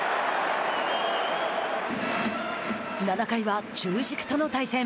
７回は中軸との対戦。